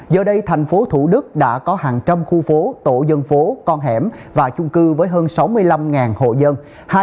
giờ đây thành phố thủ đức đã có hàng trăm khu phố tổ dân phố con hẻm và chung cư với hơn sáu mươi năm hộ dân